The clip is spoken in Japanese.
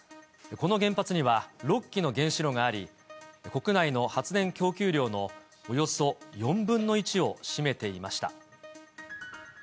この原発には、６基の原子炉があり、国内の発電供給量のおよそ４分の１を占めていました。